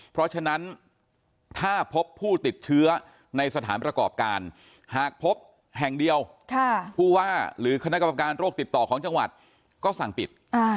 เพราะฉะนั้นถ้าพบผู้ติดเชื้อในสถานประกอบการหากพบแห่งเดียวผู้ว่าหรือคณะกรรมการโรคติดต่อของจังหวัดก็สั่งปิด